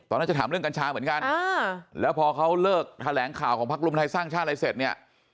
ตอนนั้นจะถามเรื่องกัญชาเหมือนกันแล้วพอเขาเลิกแถลงข่าวของพักรวมไทยสร้างชาติอะไรเสร็จเนี่ย